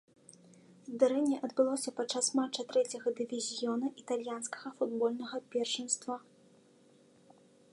Здарэнне адбылося падчас матча трэцяга дывізіёна італьянскага футбольнага першынства.